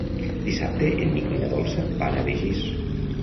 Dissabte en Nico i na Dolça van a Begís.